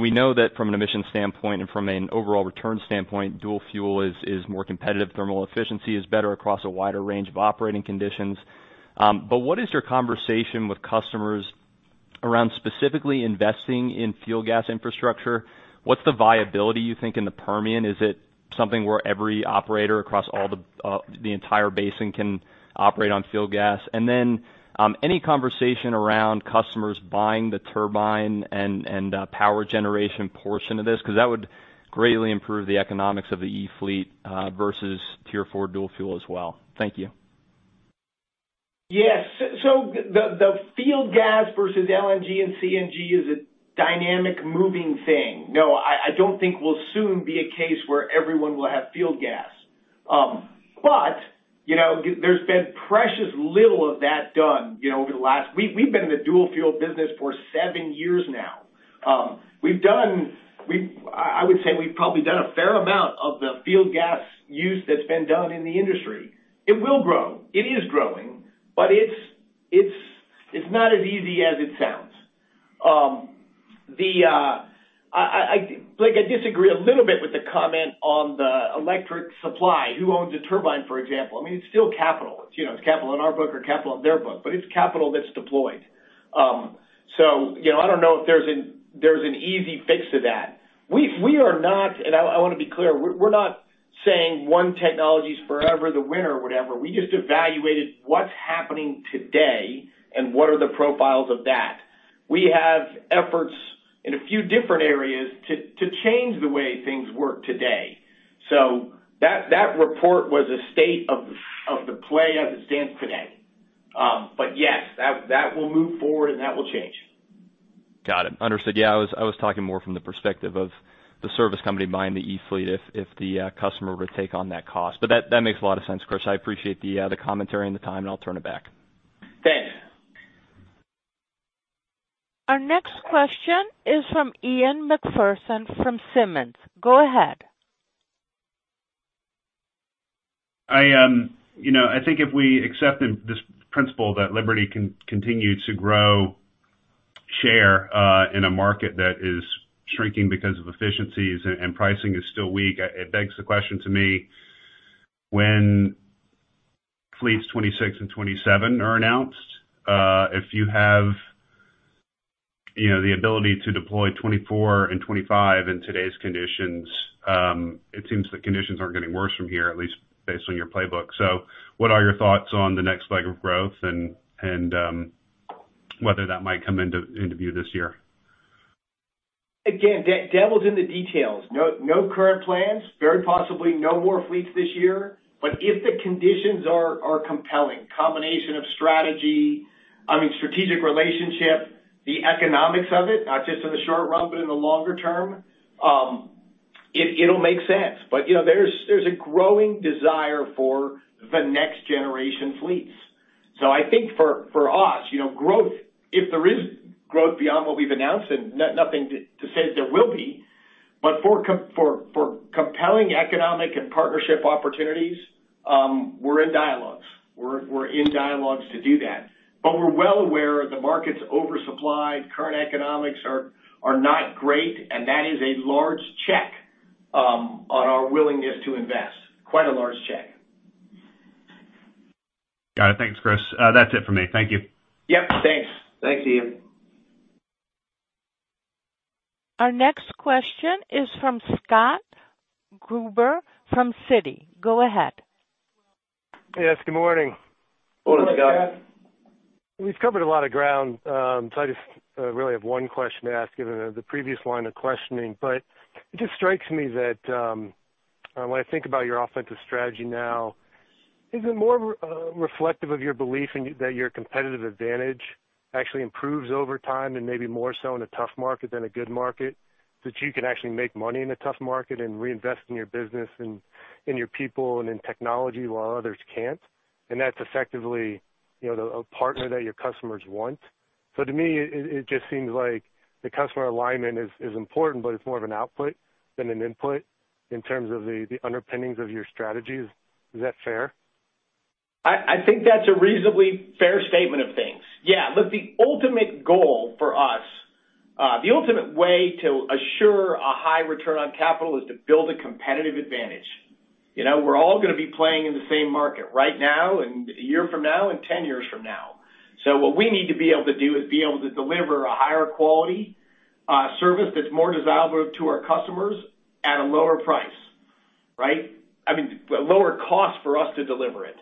We know that from an emission standpoint and from an overall return standpoint, dual-fuel is more competitive. Thermal efficiency is better across a wider range of operating conditions. What is your conversation with customers around specifically investing in fuel gas infrastructure? What's the viability you think in the Permian? Is it something where every operator across the entire basin can operate on fuel gas? Any conversation around customers buying the turbine and power generation portion of this? Because that would greatly improve the economics of the E fleet versus Tier 4 dual fuel as well. Thank you. Yes. The field gas versus LNG and CNG is a dynamic moving thing. No, I don't think we'll soon be a case where everyone will have field gas. There's been precious little of that done. We've been in the dual-fuel business for seven years now. I would say we've probably done a fair amount of the field gas use that's been done in the industry. It will grow. It is growing, but it's not as easy as it sounds. I disagree a little bit with the comment on the electric supply, who owns a turbine, for example. I mean, it's still capital. It's capital on our book or capital on their book, but it's capital that's deployed. I don't know if there's an easy fix to that. We are not, and I want to be clear, we're not saying one technology is forever the winner or whatever. We just evaluated what's happening today and what are the profiles of that. We have efforts in a few different areas to change the way things work today. That report was a state of the play as it stands today. Yes, that will move forward, and that will change. Got it. Understood. Yeah, I was talking more from the perspective of the service company buying the e-fleet if the customer were to take on that cost. That makes a lot of sense, Chris. I appreciate the commentary and the time, and I'll turn it back. Thanks. Our next question is from Ian Macpherson from Simmons. Go ahead. I think if we accept this principle that Liberty can continue to grow share in a market that is shrinking because of efficiencies and pricing is still weak, it begs the question to me, when fleets 26 and 27 are announced, if you have the ability to deploy 24 and 25 in today's conditions, it seems the conditions aren't getting worse from here, at least based on your playbook. What are your thoughts on the next leg of growth and whether that might come into view this year? Again, devil's in the details. No current plans. Very possibly no more fleets this year. If the conditions are compelling, combination of strategy, I mean, strategic relationship, the economics of it, not just in the short run, but in the longer term, it'll make sense. There's a growing desire for the next generation fleets. I think for us, growth, if there is growth beyond what we've announced, and nothing says there will be, but for compelling economic and partnership opportunities, we're in dialogues. We're in dialogues to do that. We're well aware the market's oversupplied, current economics are not great, and that is a large check on our willingness to invest. Quite a large check. Got it. Thanks, Chris. That's it for me. Thank you. Yep, thanks. Thanks, Ian. Our next question is from Scott Gruber from Citi. Go ahead. Yes, good morning. Morning, Scott. We've covered a lot of ground. I just really have one question to ask, given the previous line of questioning. It just strikes me that when I think about your offensive strategy now, is it more reflective of your belief that your competitive advantage actually improves over time, and maybe more so in a tough market than a good market, that you can actually make money in a tough market and reinvest in your business and in your people and in technology while others can't? That's effectively a partner that your customers want. To me, it just seems like the customer alignment is important, but it's more of an output than an input in terms of the underpinnings of your strategies. Is that fair? I think that's a reasonably fair statement of things. Yeah. Look, the ultimate goal for us, the ultimate way to assure a high return on capital is to build a competitive advantage. We're all going to be playing in the same market right now and a year from now and 10 years from now. What we need to be able to do is be able to deliver a higher quality service that's more desirable to our customers at a lower price, right? I mean, a lower cost for us to deliver it.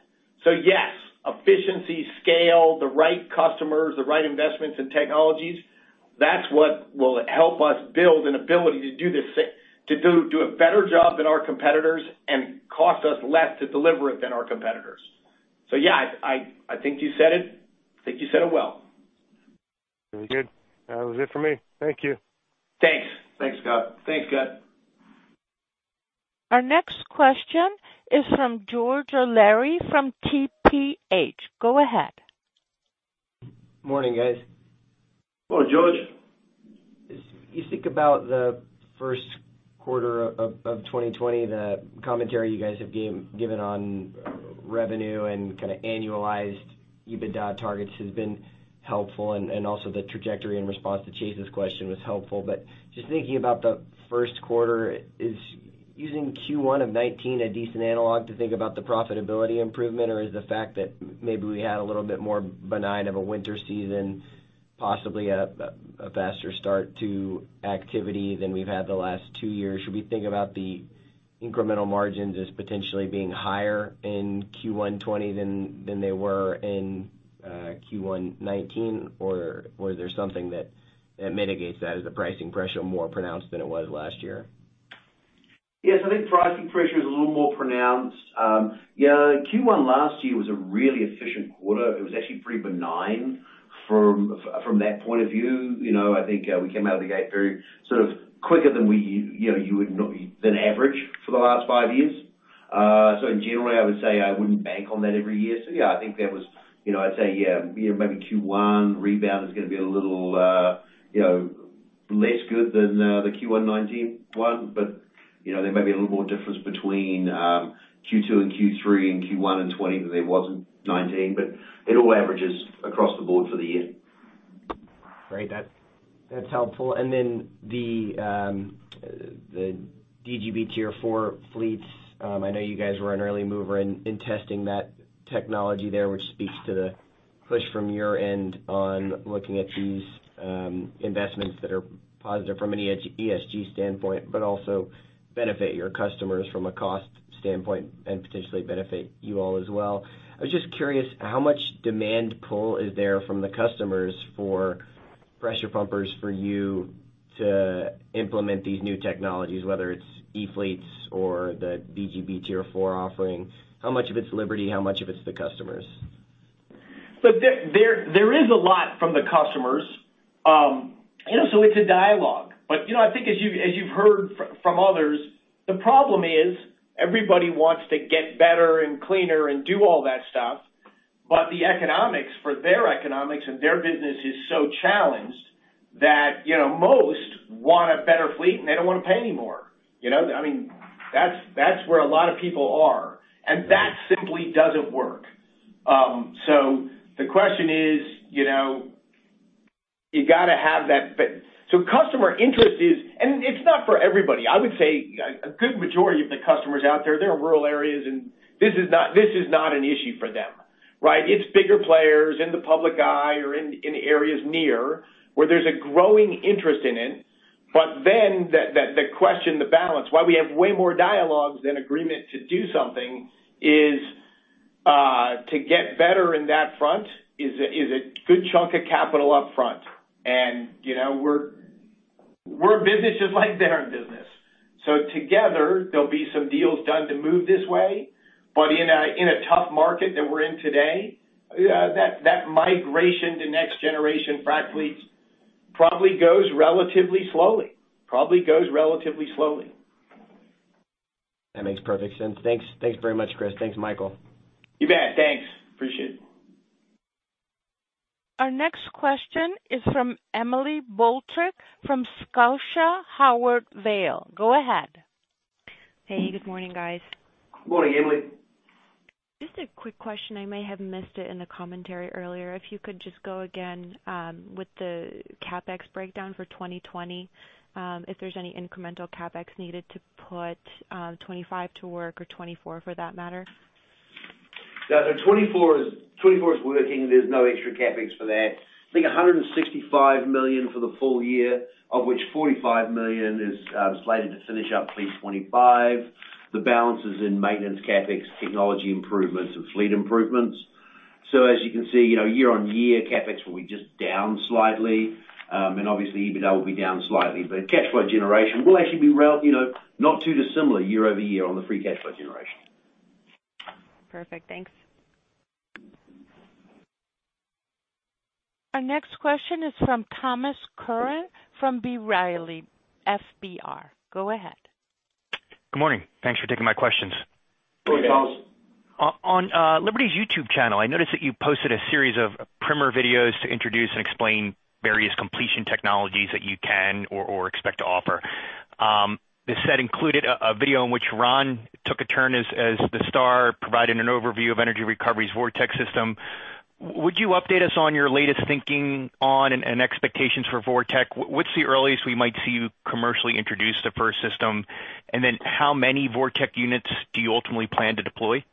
Yes, efficiency, scale, the right customers, the right investments and technologies, that's what will help us build an ability to do a better job than our competitors and cost us less to deliver it than our competitors. Yeah, I think you said it. I think you said it well. Very good. That was it for me. Thank you. Thanks. Thanks, Scott. Our next question is from George O'Leary from TPH. Go ahead. Morning, guys. Hello, George. As you think about the first quarter of 2020, the commentary you guys have given on revenue and kind of annualized EBITDA targets has been helpful, and also the trajectory and response to Chase Mulvehill's question was helpful. Just thinking about the first quarter, is using Q1 of 2019 a decent analog to think about the profitability improvement? Is the fact that maybe we had a little bit more benign of a winter season, possibly a faster start to activity than we've had the last two years? Should we think about the incremental margins as potentially being higher in Q1 2020 than they were in Q1 2019? Was there something that mitigates that? Is the pricing pressure more pronounced than it was last year? Yes, I think pricing pressure is a little more pronounced. Q1 last year was a really efficient quarter. It was actually pretty benign from that point of view. I think we came out of the gate very quicker than average for the last five years. In general, I would say I wouldn't bank on that every year. Yeah, I think I'd say, maybe Q1 rebound is going to be a little less good than the Q1 2019 one. There may be a little more difference between Q2 and Q3 and Q1 in 2020 than there was in 2019. It all averages across the board for the year. Great. That's helpful. The DGB Tier 4 fleets. I know you guys were an early mover in testing that technology there, which speaks to the push from your end on looking at these investments that are positive from an ESG standpoint, but also benefit your customers from a cost standpoint and potentially benefit you all as well. I was just curious how much demand pull is there from the customers for pressure pumpers for you to implement these new technologies, whether it's E-fleets or the DGB Tier 4 offering? How much of it's Liberty? How much of it's the customers? Look, there is a lot from the customers. It's a dialogue. I think as you've heard from others, the problem is everybody wants to get better and cleaner and do all that stuff, but the economics for their economics and their business is so challenged that most want a better fleet, and they don't want to pay any more. That's where a lot of people are, and that simply doesn't work. Customer interest is, and it's not for everybody. I would say a good majority of the customers out there, they're in rural areas, and this is not an issue for them, right? It's bigger players in the public eye or in areas near where there's a growing interest in it. The question, the balance, why we have way more dialogues than agreement to do something is to get better in that front is a good chunk of capital upfront. We're a business just like they're in business. Together, there'll be some deals done to move this way. In a tough market that we're in today, that migration to next generation frac fleets probably goes relatively slowly. That makes perfect sense. Thanks very much, Chris. Thanks, Michael. You bet. Thanks. Appreciate it. Our next question is from Emily Boltryk from Scotiabank Howard Weil. Go ahead. Hey, good morning, guys. Good morning, Emily. Just a quick question. I may have missed it in the commentary earlier. If you could just go again with the CapEx breakdown for 2020, if there's any incremental CapEx needed to put 25 to work or 24 for that matter. Yeah. 24 is working. There's no extra CapEx for that. I think $165 million for the full year, of which $45 million is slated to finish up fleet 25. The balance is in maintenance CapEx, technology improvements, and fleet improvements. As you can see, year-on-year, CapEx will be just down slightly. Obviously, EBITDA will be down slightly, but cash flow generation will actually be not too dissimilar year-over-year on the free cash flow generation. Perfect. Thanks. Our next question is from Thomas Curran from B. Riley FBR. Go ahead. Good morning. Thanks for taking my questions. Good morning, Thomas. On Liberty's YouTube channel, I noticed that you posted a series of primer videos to introduce and explain various completion technologies that you can or expect to offer. This set included a video in which Ron took a turn as the star, providing an overview of Energy Recovery's VorTeq system. Would you update us on your latest thinking on and expectations for VorTeq? What's the earliest we might see you commercially introduce the first system? How many VorTeq units do you ultimately plan to deploy?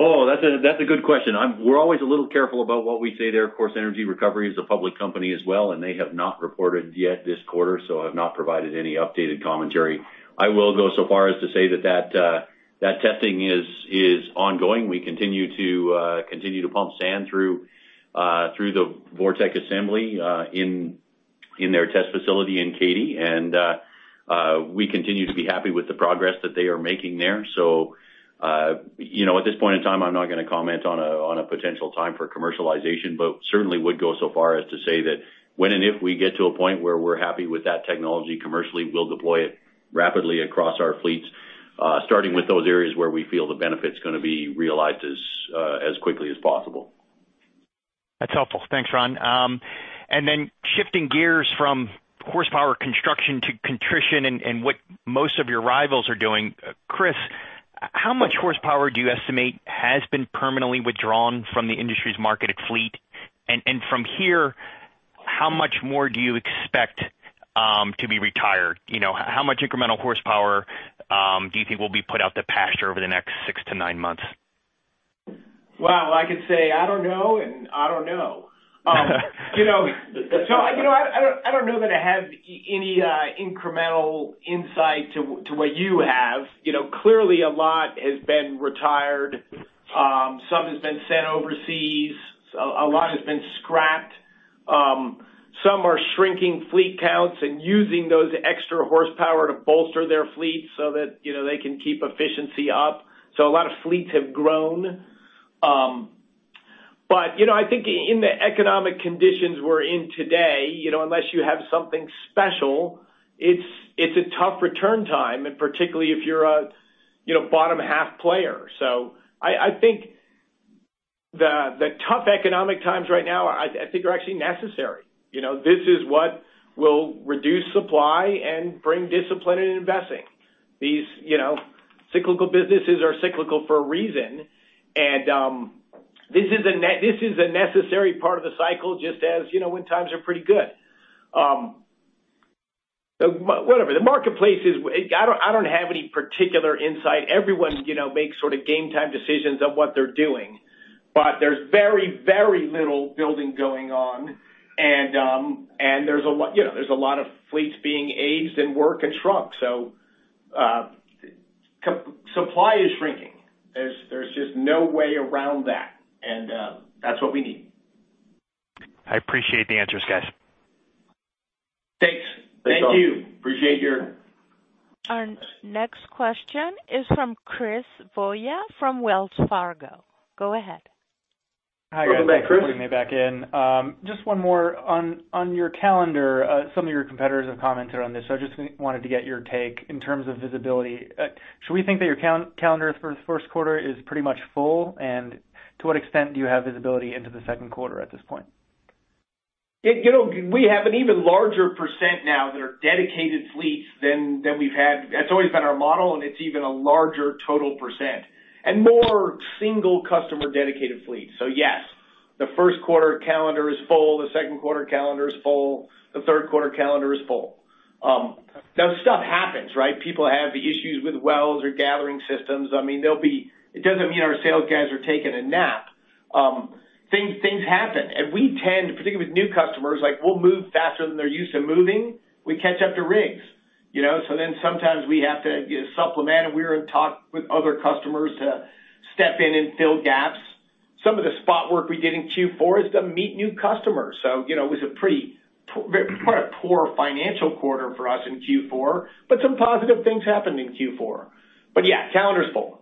Oh, that's a good question. We're always a little careful about what we say there. Of course, Energy Recovery is a public company as well, and they have not reported yet this quarter, so have not provided any updated commentary. I will go so far as to say that testing is ongoing. We continue to pump sand through the VorTeq assembly in their test facility in Katy, and we continue to be happy with the progress that they are making there. At this point in time, I'm not going to comment on a potential time for commercialization, but certainly would go so far as to say that when and if we get to a point where we're happy with that technology commercially, we'll deploy it rapidly across our fleets. Starting with those areas where we feel the benefit's going to be realized as quickly as possible. That's helpful. Thanks, Ron. Then shifting gears from horsepower construction to attrition and what most of your rivals are doing, Chris, how much horsepower do you estimate has been permanently withdrawn from the industry's marketed fleet? From here, how much more do you expect to be retired? How much incremental horsepower do you think will be put out to pasture over the next six to nine months? I could say I don't know, and I don't know. I don't know that I have any incremental insight to what you have. Clearly, a lot has been retired. Some has been sent overseas. A lot has been scrapped. Some are shrinking fleet counts and using those extra horsepower to bolster their fleets so that they can keep efficiency up. A lot of fleets have grown. I think in the economic conditions we're in today, unless you have something special, it's a tough return time, and particularly if you're a bottom half player. I think the tough economic times right now, I think, are actually necessary. This is what will reduce supply and bring discipline in investing. These cyclical businesses are cyclical for a reason, and this is a necessary part of the cycle, just as when times are pretty good. Whatever. I don't have any particular insight. Everyone makes sort of game time decisions on what they're doing. There's very little building going on, and there's a lot of fleets being aged and work and shrunk. Supply is shrinking. There's just no way around that. That's what we need. I appreciate the answers, guys. Thanks. Thank you. Appreciate your Our next question is from Chris Voie from Wells Fargo. Go ahead. Welcome back, Chris. Hi, guys. Thanks for putting me back in. Just one more on your calendar. Some of your competitors have commented on this. I just wanted to get your take in terms of visibility. Should we think that your calendar for the first quarter is pretty much full, and to what extent do you have visibility into the second quarter at this point? We have an even larger percent now that are dedicated fleets than we've had. That's always been our model, and it's even a larger total percent and more single customer dedicated fleets. Yes, the first quarter calendar is full, the second quarter calendar is full, the third quarter calendar is full. Now, stuff happens, right? People have issues with wells or gathering systems. It doesn't mean our sales guys are taking a nap. Things happen. We tend, particularly with new customers, we'll move faster than they're used to moving. We catch up to rigs. Sometimes we have to supplement, and we're in talk with other customers to step in and fill gaps. Some of the spot work we did in Q4 is to meet new customers. It was a pretty poor financial quarter for us in Q4, but some positive things happened in Q4. Yeah, calendar's full.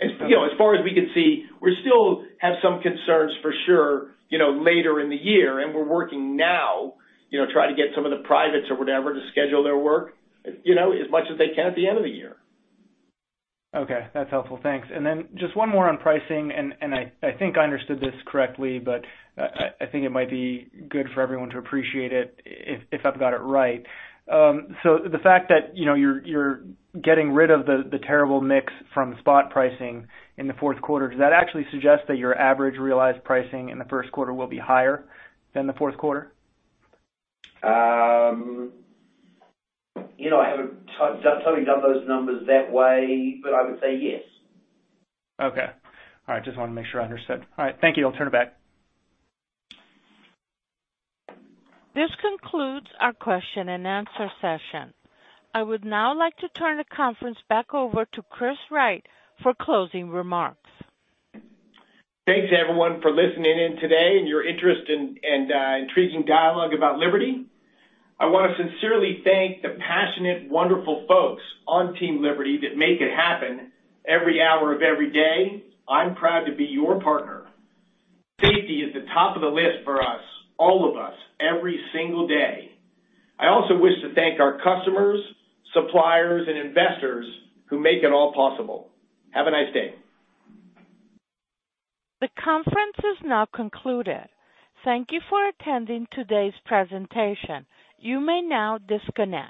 As far as we can see, we still have some concerns for sure, later in the year, and we're working now, trying to get some of the privates or whatever to schedule their work, as much as they can at the end of the year. Okay, that's helpful. Thanks. Just one more on pricing, and I think I understood this correctly, but I think it might be good for everyone to appreciate it if I've got it right. The fact that you're getting rid of the terrible mix from spot pricing in the fourth quarter, does that actually suggest that your average realized pricing in the first quarter will be higher than the fourth quarter? I haven't totally done those numbers that way, but I would say yes. Okay. All right, just wanted to make sure I understood. All right, thank you. I'll turn it back. This concludes our question and answer session. I would now like to turn the conference back over to Chris Wright for closing remarks. Thanks everyone for listening in today and your interest and intriguing dialogue about Liberty. I want to sincerely thank the passionate, wonderful folks on Team Liberty that make it happen every hour of every day. I'm proud to be your partner. Safety is the top of the list for us, all of us, every single day. I also wish to thank our customers, suppliers, and investors who make it all possible. Have a nice day. The conference is now concluded. Thank you for attending today's presentation. You may now disconnect.